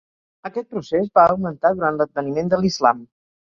Aquest procés va augmentar durant l'adveniment de l'islam.